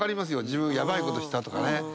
自分ヤバいことしたとかね。